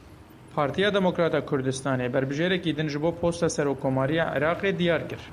Partiya Demokrata Kurdistanê berbijêrekî din ji bo posta Serokkomariya Iraqê diyar kir.